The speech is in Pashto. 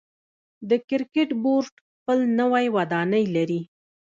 د کرکټ بورډ خپل نوی ودانۍ لري.